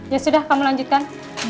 ya sudah kamu lanjutkan